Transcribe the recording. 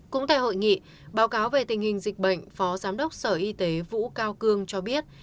cũng tại hội nghị báo cáo về tình hình dịch bệnh phó giám đốc sở y tế vũ cao cương cho biết